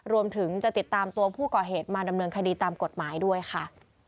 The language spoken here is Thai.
รวมถึงจะติดตามตัวผู้ก่อเหตุมาดำเนินคดีตามกฎหมายด้วยค่ะ